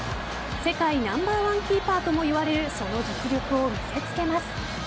世界ナンバーワンキーパーともいわれるその実力を見せ付けます。